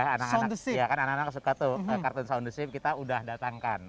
anak anak suka tuh kartun sound on the ship kita sudah datangkan